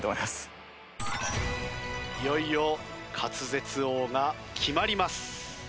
いよいよ滑舌王が決まります。